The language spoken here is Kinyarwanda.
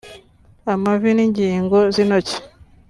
amavi n’ingingo z’intoki